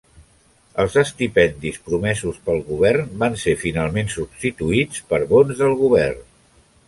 Els estipendis promesos pel govern van ser finalment substituïts per bons del govern.